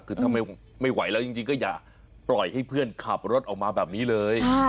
คือทำไมไม่ไหวแล้วจริงก็อย่าปล่อยให้เพื่อนขับรถออกมาแบบนี้เลย